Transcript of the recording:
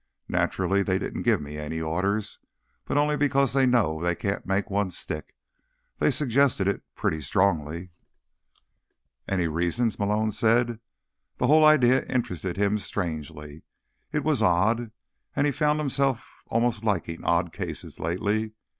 Naturally, they didn't give me any orders—but only because they know they can't make one stick. They suggested it pretty strongly." "Any reasons?" Malone said. The whole idea interested him strangely. It was odd—and he found himself almost liking odd cases, lately.